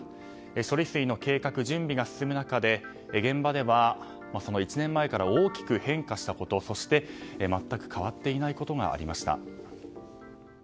処理水の計画、準備が進む中で現場ではその１年前から大きく変化したことそして全く変わっていないことがありました。